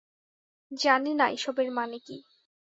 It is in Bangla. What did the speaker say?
জানি না এসবের মানে কী।